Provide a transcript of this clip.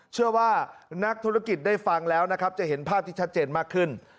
เชื่อว่านักธุรกิจได้ฟังแล้วนะครับจะเห็นภาพที่ชัดเจนมากขึ้น